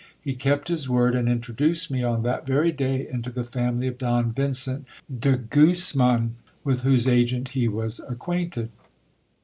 He kept his v ord, and introduced me on that very day into the family of Don Vincent de C usman, with whose agent he was acquainted.